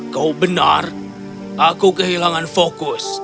kau benar aku kehilangan fokus